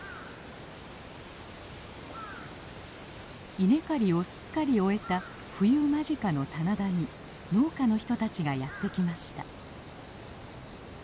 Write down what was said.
稲刈りをすっかり終えた冬間近の棚田に農家の人たちがやってきました。